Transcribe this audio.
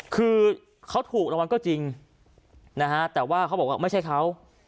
คือเขาถูกรางวัลก็จริงนะฮะแต่ว่าเขาบอกว่าไม่ใช่เขา